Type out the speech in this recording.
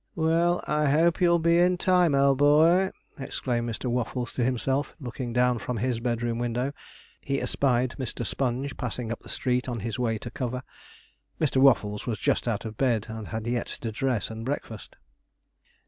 'Well, I hope you'll be in time, old boy!' exclaimed Mr. Waffles to himself, as looking down from his bedroom window, he espied Mr. Sponge passing up the street on his way to cover. Mr. Waffles was just out of bed, and had yet to dress and breakfast.